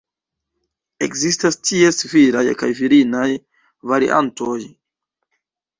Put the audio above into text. Ekzistas ties viraj kaj virinaj variantoj.